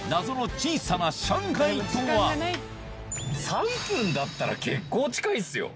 ３分だったら結構近いっすよ。